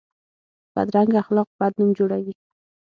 بدرنګه اخلاق بد نوم جوړوي